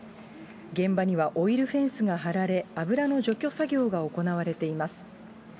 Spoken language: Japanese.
現場にはオイルフェンスが張られ、油の除去作業が行われています。